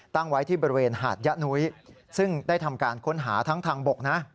ตั้งไว้ที่บริเวณหาดยะนุ้ยซึ่งได้ทำการค้นหาทั้งทางบกนะ